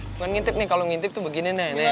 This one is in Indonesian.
bukan ngintip nih kalau ngintip tuh begini nenek